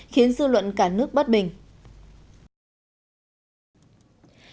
khiến dư luận cả nước bất bình